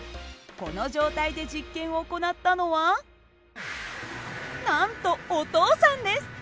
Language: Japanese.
この状態で実験を行ったのはなんとお父さんです！